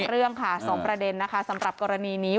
เรื่องค่ะ๒ประเด็นนะคะสำหรับกรณีนี้